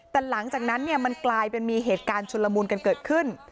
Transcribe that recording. แต่หลังจากนั้นเนี่ยมันกลายเป็นมีเหตุการณ์ชุนละมุนกันเกิดขึ้น